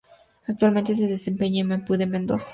Actualmente se desempeña en Maipú de Mendoza.